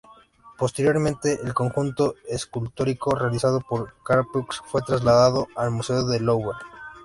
Posteriormente, el conjunto escultórico realizado por Carpeaux fue trasladado al Museo de Louvre.